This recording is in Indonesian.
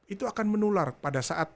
itu akan menular pada saat